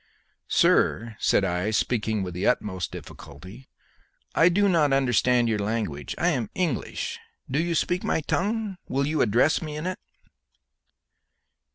"Sir," said I, speaking with the utmost difficulty, "I do not understand your language. I am English. You speak my tongue. Will you address me in it?"